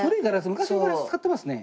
昔のガラス使ってますね。